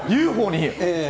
ＵＦＯに？